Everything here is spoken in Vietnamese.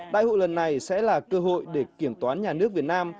đại hội lần này sẽ là cơ hội để kiểm toán nhà nước việt nam